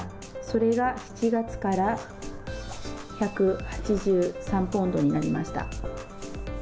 それが７月から１８３ポンドになりました。